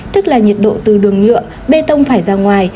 tức là nhiệt độ từ đường nhựa bê tông phải ra ngoài